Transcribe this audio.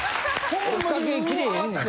追っかけきれへんねん。